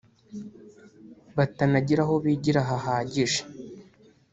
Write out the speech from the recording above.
batanagira aho bigira hahagije